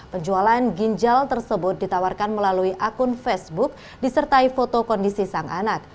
penjualan ginjal tersebut ditawarkan melalui akun facebook disertai foto kondisi sang anak